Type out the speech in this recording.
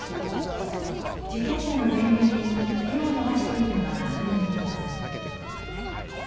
自転車の前輪に手を伸ばしているのが確認できます。